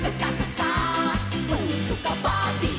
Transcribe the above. スカ・パーティー！